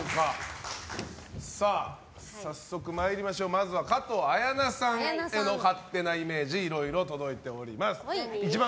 まずは加藤綾菜さんへの勝手なイメージいろいろ届いております。